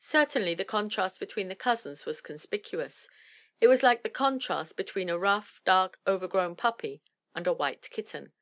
Certainly the contrast between the cousins was conspicuous; it was like the contrast between a rough, dark, over grown puppy and a white kitten.